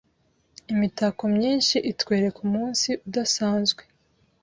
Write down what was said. imitako myinshi itwereka umunsi udasanzwe.